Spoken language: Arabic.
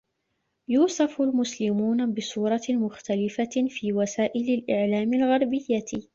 يُوصف المسلمون بصورة مختلفة في وسائل الإعلام الغربيّة.